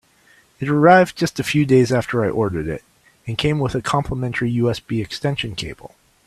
It arrived just a few days after I ordered it, and came with a complementary USB extension cable.